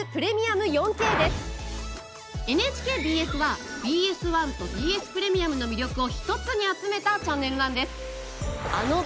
ＮＨＫＢＳはＢＳ１とＢＳプレミアムの魅力を一つに集めたチャンネルなんです。